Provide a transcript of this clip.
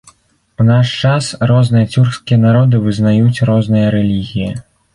У наш час, розныя цюркскія народы вызнаюць розныя рэлігіі.